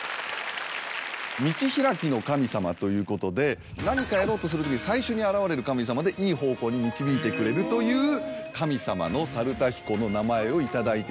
さすが！何かやろうとするときに最初に現れる神様でいい方向に導いてくれるという神様の猿田彦の名前を頂いてる。